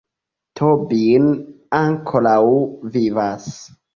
Tobin ankoraŭ vivas!